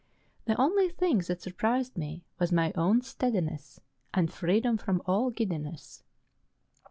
The only thing that surprised me was my own steadiness and freedom from all giddiness.